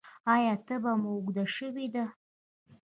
ایا تبه مو اوږده شوې ده؟